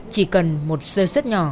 chỉ cần một sơ xuất nhỏ